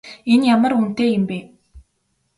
Энэ ямар үнэтэй юм бэ?